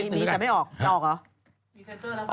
มีแต่ไม่ออกจะออกเหรอ